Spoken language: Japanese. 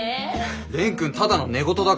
蓮くんただの寝言だから。